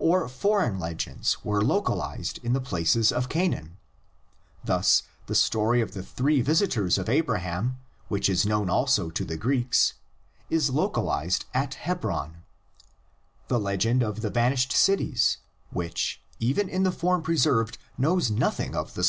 Or foreign legends were localised in the places of Canaan: thus the story of the three visitors of Abraham, which is known also to the Greeks, is localised at Hebron; the legend of the vanished cities, which even in the form preserved knows nothing of the 96 THE LEGENDS OF GENESIS.